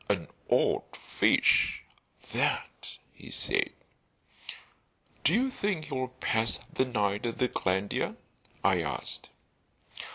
"An odd fish, that!" he said. "Do you think he'll pass the night at the Glandier?" I asked.